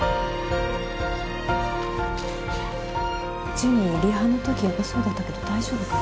ジュニリハの時ヤバそうだったけど大丈夫かな。